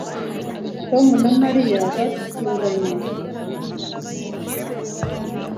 Tom na Mariya baturanye